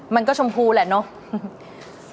มันก็ชมพูแหละเนาะ